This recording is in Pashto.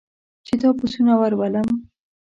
چې دا پسونه ور ولم.